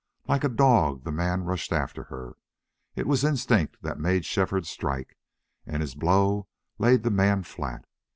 Like a dog the man rushed after her. It was instinct that made Shefford strike, and his blow laid the man flat.